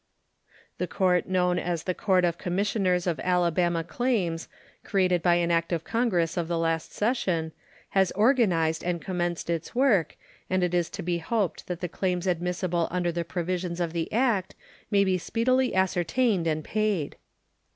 The court known as the Court of Commissioners of Alabama Claims, created by an act of Congress of the last session, has organized and commenced its work, and it is to be hoped that the claims admissible under the provisions of the act may be speedily ascertained and paid.